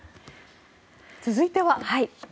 続いては。